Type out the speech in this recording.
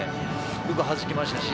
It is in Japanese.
よくはじきました。